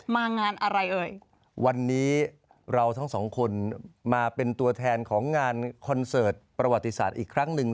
มางานอะไรเอ่ยวันนี้เราทั้งสองคนมาเป็นตัวแทนของงานคอนเสิร์ตประวัติศาสตร์อีกครั้งหนึ่ง